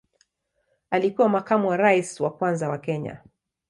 Alikuwa makamu wa rais wa kwanza wa Kenya.